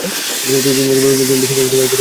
তিনি বেশিদিন এই পদে থাকতে পারেননি।